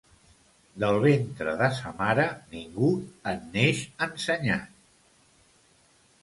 Del ventre de sa mare, ningú en neix ensenyat.